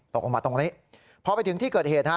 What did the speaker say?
ตกลงมาตรงนี้พอไปถึงที่เกิดเหตุฮะ